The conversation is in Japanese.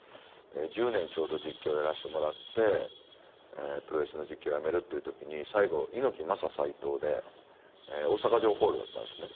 １０年ちょうど実況やらしてもらってプロレスの実況やめるっていう時に最後猪木・マサ斎藤で大阪城ホールだったんですね。